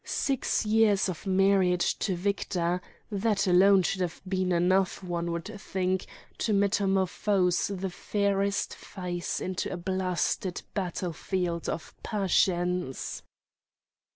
Six years of marriage to Victor—that alone should have been enough, one would think, to metamorphose the fairest face into a blasted battlefield of passions.